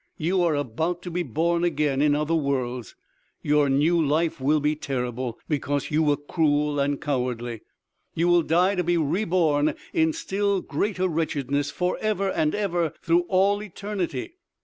You are about to be born again in other worlds. Your new life will be terrible, because you were cruel and cowardly.... You will die to be re born in still greater wretchedness forever and ever through all eternity....